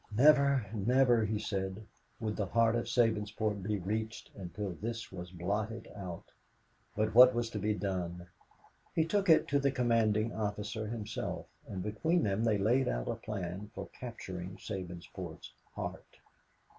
"Never, never," he said, "would the heart of Sabinsport be reached until this was blotted out." But what was to be done. He took it to the commanding officer himself, and between them they laid out a plan for capturing Sabinsport's heart.